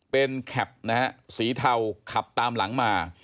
เป็นแคปนะฮะสีเทาขับตามหลังมา